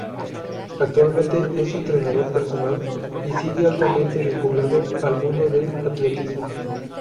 Actualmente es entrenador personal y sigue altamente vinculado al mundo del atletismo.